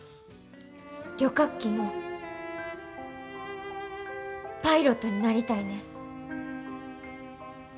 旅客機のパイロットになりたいねん。